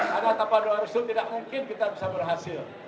karena tanpa doa resul tidak mungkin kita bisa berhasil